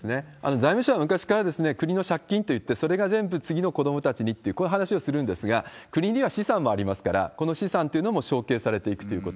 財務省は昔から国の借金といって、それが全部次の子どもたちにっていう、こういう話をするんですが、国には資産もありますから、この資産というのも承継されていくということ。